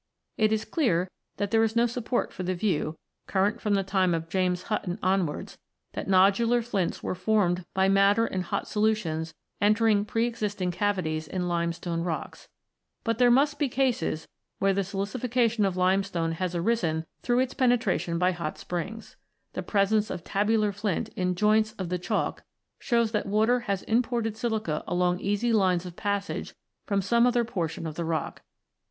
It is clear that there is no support for the view, current from the time of James Hutton onwards, that nodular flints are formed by matter in hot solutions entering pre existing cavities in limestone rocks. But there must be cases where the silicification of limestone has arisen through its penetration by hot springs. The presence of tabular flint in joints of the Chalk shows that water has imported silica along easy lines of passage from some other portion of the rock.